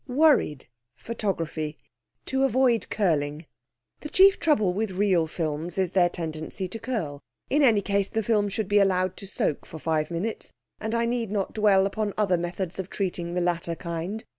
'Worried (Photography). To avoid curling. The chief trouble with reel films is their tendency to curl. In any case the film should be allowed to soak for five minutes, and I need not dwell upon other methods of treating the latter kind.